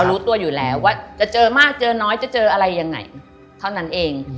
รู้ตัวอยู่แล้วว่าจะเจอมากเจอน้อยจะเจออะไรยังไงเท่านั้นเอง